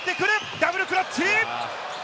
ダブルクラッチ。